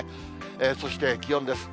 そして気温です。